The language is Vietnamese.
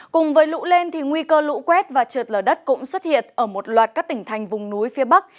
cùng với lũ lên thì nguy cơ lũ quét và trượt lở đất cũng xuất hiện ở một loạt các tỉnh thành vùng núi phía bắc